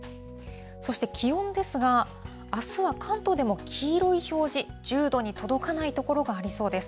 そして気温ですが、あすは関東でも黄色い表示、１０度に届かない所がありそうです。